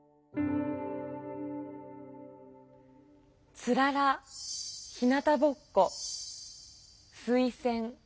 つららひなたぼっこ水せん